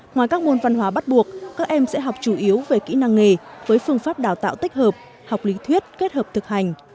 ngoài các môn văn hóa bắt buộc các em sẽ học chủ yếu về kỹ năng nghề với phương pháp đào tạo tích hợp học lý thuyết kết hợp thực hành